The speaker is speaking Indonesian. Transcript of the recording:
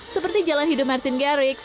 seperti jalan hidup martin garyx